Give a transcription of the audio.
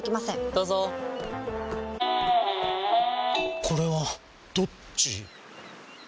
どうぞこれはどっち？